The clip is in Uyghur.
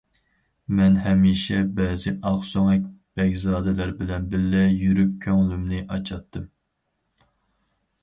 مەن ھەمىشە بەزى ئاقسۆڭەك بەگزادىلەر بىلەن بىللە يۈرۈپ كۆڭلۈمنى ئاچاتتىم.